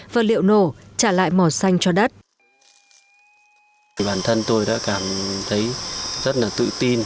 vật liệu nổ trả lại màu xanh cho đất